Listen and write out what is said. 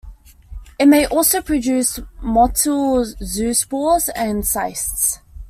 It may also produce motile zoospores and cysts.